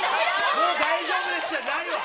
もう大丈夫ですよじゃないの。